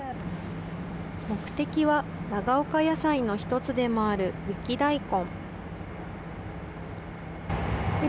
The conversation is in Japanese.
目的は、長岡野菜の一つでもある雪大根。